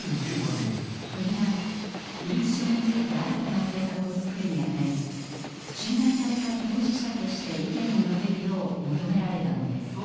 国が認知症について新たな政策を作るにあたり診断された当事者として意見を述べるよう求められたのです。